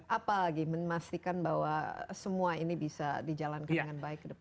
apalagi memastikan bahwa semua ini bisa dijalankan dengan baik ke depan